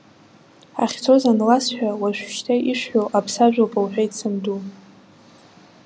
Ҳахьцоз анласҳәа, уажәшьҭа ишәҳәо аԥсажәоуп лҳәеит санду.